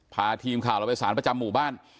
พาทีมข่าวเราไปสารประจำหมู่บ้าน